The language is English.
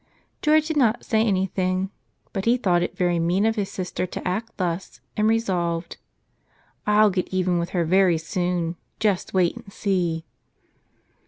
George did not say anything, but he thought it very mean of his sister to act thus, and resolved: "I'll get even with her very soon. Just wait and see."